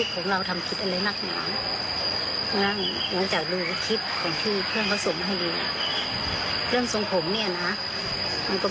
ก็ตามความผิดของเด็ก